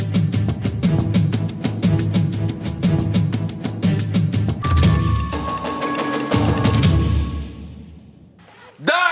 แล้วหวังนะแล้วหวังนะ